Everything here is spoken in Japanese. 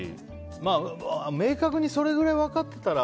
まあ、明確にそれくらい分かってたら